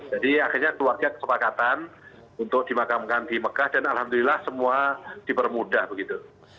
jadi akhirnya keluarga kesepakatan untuk dimakamkan di bekah dan alhamdulillah semua dipermudah begitu